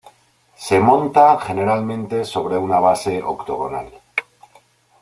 Se monta generalmente sobre una base octogonal.